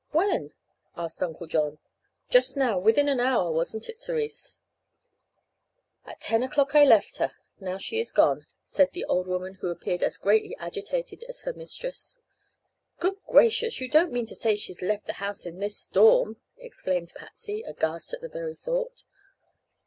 "When?" asked Uncle John. "Just now. Within an hour, wasn't it, Cerise?" "At ten o'clock I left her, now she is gone," said the old woman, who appeared as greatly agitated as her mistress. "Good gracious! you don't mean to say she's left the house in this storm?" exclaimed Patsy, aghast at the very thought.